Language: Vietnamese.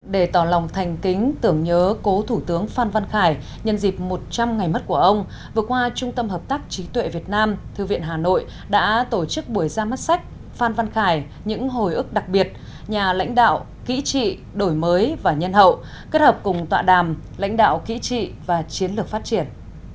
để tỏ lòng thành kính tưởng nhớ cố thủ tướng phan văn khải nhân dịp một trăm linh ngày mất của ông vừa qua trung tâm hợp tác trí tuệ việt nam thư viện hà nội đã tổ chức buổi ra mắt sách phan văn khải những hồi ức đặc biệt nhà lãnh đạo kỹ trị đổi mới và nhân hậu kết hợp cùng tọa đàm lãnh đạo kỹ trị và chiến lược phát triển